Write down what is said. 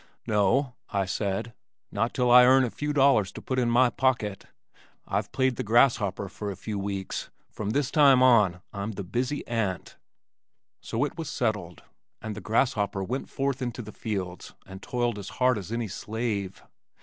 "No," I said, "not till I earn a few dollars to put in my pocket. I've played the grasshopper for a few weeks from this time on I'm the busy ant." So it was settled, and the grasshopper went forth into the fields and toiled as hard as any slave.